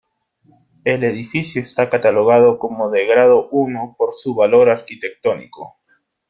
El edificio está catalogado como de Grado I por su valor arquitectónico.